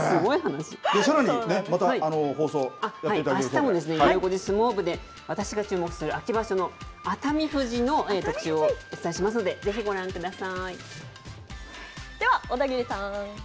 さらにね、また放送やっていあしたもゆう５時相撲部で私が注目する秋場所の熱海富士の特集をお伝えしますので、ぜひご覧では、小田切さん。